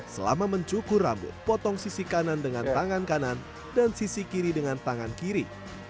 selama mencukur rambut potong sisi kanan dengan tangan kanan dan sisi kiri dengan tangan kiri